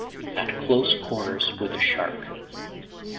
AT CLOSE QUARTERS WITH A SHARK.